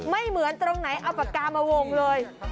ไม่เหมือนตรงไหนเอาปากกามาวงเลย